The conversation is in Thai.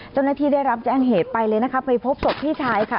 เจ้าหน้าที่ได้รับแจ้งเหตุไปเลยนะคะไปพบศพพี่ชายค่ะ